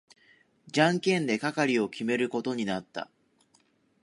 じゃんけんで係を決めることになった。